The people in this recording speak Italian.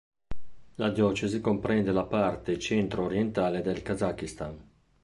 La diocesi comprende la parte centro-orientale del Kazakistan.